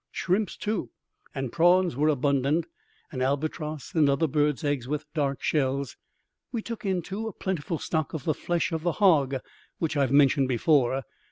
Shrimps, too, and prawns were abundant, and albatross and other birds' eggs with dark shells. We took in, too, a plentiful stock of the flesh of the hog which I have mentioned before.